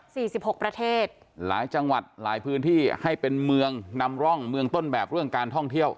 สิบหกประเทศหลายจังหวัดหลายพื้นที่ให้เป็นเมืองนำร่องเมืองต้นแบบเรื่องการท่องเที่ยว